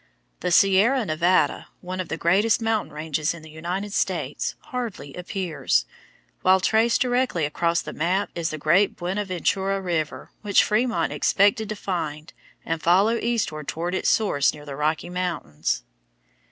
The Sierra Nevada, one of the greatest mountain ranges in the United States, hardly appears, while traced directly across the map is the great Buenaventura River which Frémont expected to find and follow eastward toward its source near the Rocky Mountains.